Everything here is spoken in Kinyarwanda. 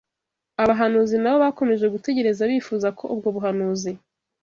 Abahanuzi na bo bakomeje gutegereza bifuzako ubwo buhanuzi